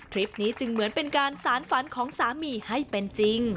คลิปนี้จึงเหมือนเป็นการสารฝันของสามีให้เป็นจริง